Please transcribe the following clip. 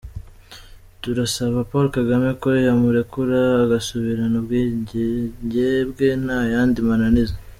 Turasaba Paul Kagame ko yamurekura agasubirana ubwigenge bwe nta yandi mananiza.